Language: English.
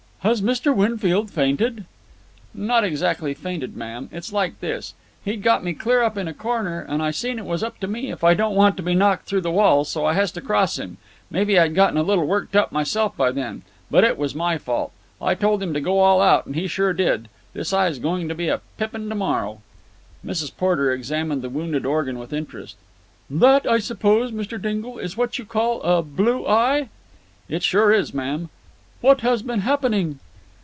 "Has Mr. Winfield fainted?" "Not exactly fainted, ma'am. It's like this. He'd got me clear up in a corner, and I seen it's up to me if I don't want to be knocked through the wall, so I has to cross him. Maybe I'd gotten a little worked up myself by then. But it was my fault. I told him to go all out, and he sure did. This eye's going to be a pippin to morrow." Mrs. Porter examined the wounded organ with interest. "That, I suppose Mr. Dingle, is what you call a blue eye?" "It sure is, ma'am." "What has been happening?"